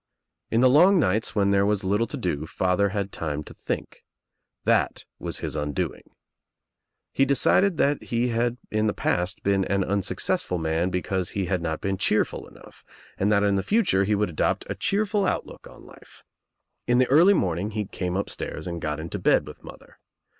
In the long nights when there was little to do father had time to think. That was his undoing. He de cided that he had in the past been an unsuccessful man THE EGG ss p ^■because he had not been cheerful enough and that in ^^ the future he would adopt a cheerful outlook on life. In the early morning he came upstairs and got into bed with mother.